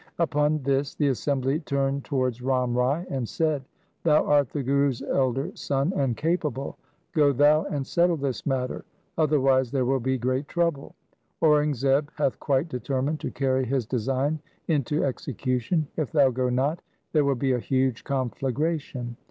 Upon this the assembly turned towards Ram Rai and said, ' Thou art the Guru's elder son and capable. Go thou and settle this matter, otherwise there will be great trouble. Aurangzeb hath quite determined to carry his design into execution. If thou go not, there will be a huge conflagration.